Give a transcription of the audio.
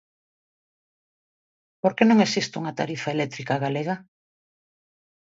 Por que non existe unha tarifa eléctrica galega?